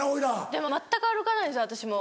でも全く歩かないんです私も。